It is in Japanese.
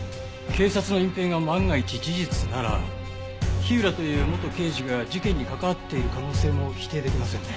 警察の隠蔽が万が一事実なら火浦という元刑事が事件に関わっている可能性も否定できませんね。